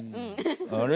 あれ？